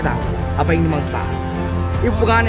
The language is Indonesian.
tentu tadi berkesan